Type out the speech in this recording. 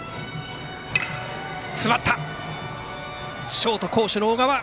ショート、好守の小川。